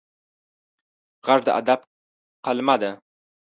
غږ د ادب قلمه ده